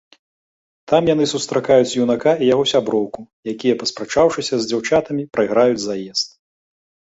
Там яны сустракаюць юнака і яго сяброўку, якія, паспрачаўшыся з дзяўчатамі, прайграюць заезд.